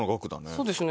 そうですね。